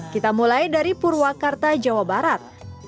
kita mulai dari purwakarta jawa barat